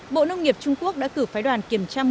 bộ nông nghiệp trung quốc đã cử phái đoàn kiểm tra